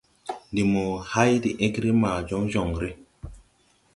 Ndi mo hay de egre ma jɔnjɔŋre.